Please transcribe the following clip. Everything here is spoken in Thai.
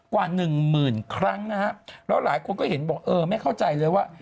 กว่าหนึ่งหมื่นครั้งนะฮะแล้วหลายคนก็เห็นบอกเออไม่เข้าใจเลยว่า